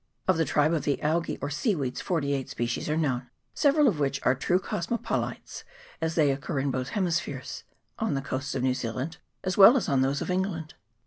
Of the tribe of the Algce, or seaweeds, 48 species are known, several of which are true cosmopolites, as they occur in both hemispheres on the coasts of New Zealand as well as on those of England.